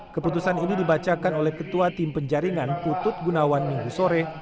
keputusan ini dibacakan oleh ketua tim penjaringan putut gunawan minggu sore